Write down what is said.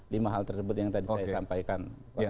lima hal tersebut yang tadi saya sampaikan